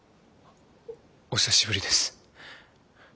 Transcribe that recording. お久しぶりです。